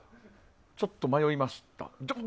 ちょっと迷いました。